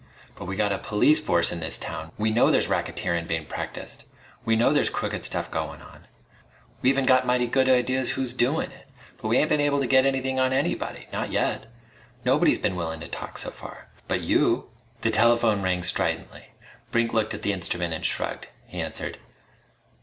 But we got a police force in this town! We know there's racketeerin' bein' practiced. We know there's crooked stuff goin' on. We even got mighty good ideas who's doin' it. But we ain't been able to get anything on anybody. Not yet. Nobody's been willin' to talk, so far. But you " The telephone rang stridently. Brink looked at the instrument and shrugged. He answered.